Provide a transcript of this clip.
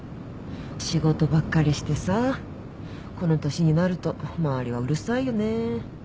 仕事ばっかりしてさこの年になると周りはうるさいよね。